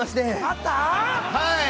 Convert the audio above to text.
◆はい。